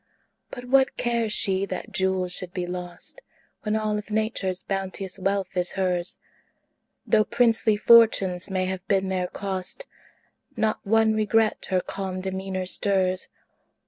But what cares she that jewels should be lost, When all of Nature's bounteous wealth is hers? Though princely fortunes may have been their cost, Not one regret her calm demeanor stirs.